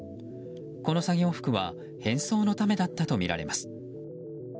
この作業服は変装のためだったとみられます。